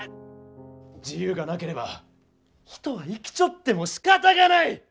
自由がなければ人は生きちょってもしかたがない！